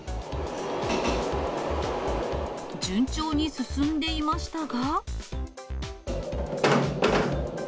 順調に進んでいましたが。